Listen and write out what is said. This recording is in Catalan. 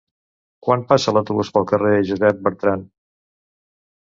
Quan passa l'autobús pel carrer Josep Bertrand?